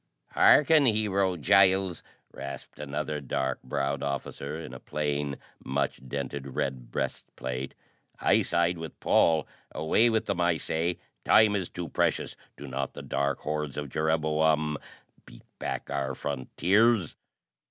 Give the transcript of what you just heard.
"Hearken, Hero Giles!" rasped another dark browed officer in a plain, much dented red breast plate. "I side with Paul. Away with them, I say! Time is too precious. Do not the dark hordes of Jereboam beat back our frontiers?"